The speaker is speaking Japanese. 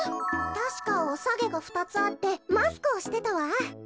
たしかおさげがふたつあってマスクをしてたわ。